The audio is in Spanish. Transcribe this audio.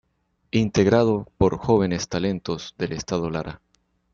Integrado por jóvenes talentos del estado Lara.